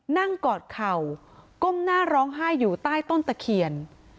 กอดเข่าก้มหน้าร้องไห้อยู่ใต้ต้นตะเคียน